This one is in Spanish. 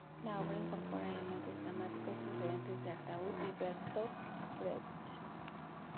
La obra incorpora elementos dramáticos procedentes de Artaud y Bertolt Brecht.